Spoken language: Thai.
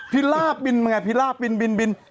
พิลาปินบ้างไงพิลาปินบินบิน